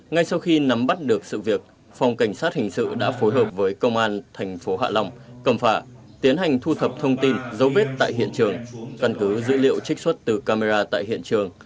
ngay sau khi nắm bắt được sự việc phòng cảnh sát hình sự đã phối hợp với công an thành phố hạ long cầm phả tiến hành thu thập thông tin dấu vết tại hiện trường căn cứ dữ liệu trích xuất từ camera tại hiện trường